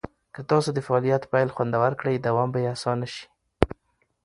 که تاسو د فعالیت پیل خوندور کړئ، دوام به یې اسانه شي.